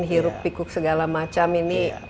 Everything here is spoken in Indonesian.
hiruk pikuk segala macam ini